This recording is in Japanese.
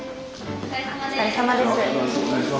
お疲れさまです。